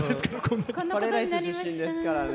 カレーライス出身ですからね。